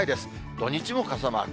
土日も傘マーク。